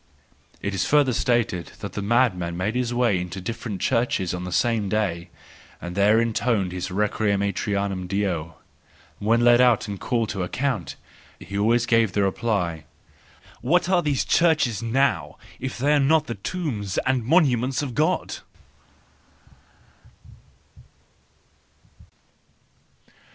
—It is further stated that the madman made his way into different churches on the same day, and there intoned his Requiem aeternam deo* When led out and called to account, he always gave the reply: " What are these churches now, if they are not the tombs and monuments of God